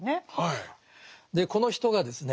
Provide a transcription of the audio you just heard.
この人がですね